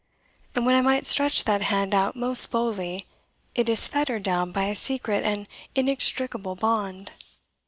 And when I might stretch that hand out most boldly, it is fettered down by a secret and inextricable bond!